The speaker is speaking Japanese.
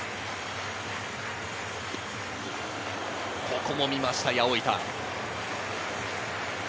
ここも見ました、八百板。